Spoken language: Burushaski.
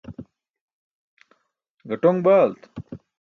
ġatoṅ baalt